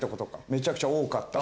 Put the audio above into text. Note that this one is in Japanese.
めちゃくちゃ多かった。